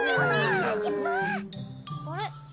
あれ？